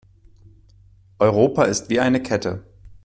Europa ist wie eine Kette.